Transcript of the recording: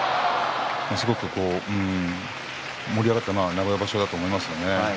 すごく盛り上がった名古屋場所だと思います。